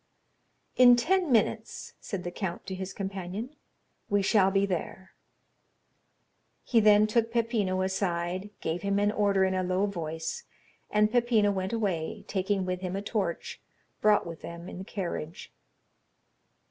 "In ten minutes," said the count to his companion, "we shall be there." He then took Peppino aside, gave him an order in a low voice, and Peppino went away, taking with him a torch, brought with them in the carriage.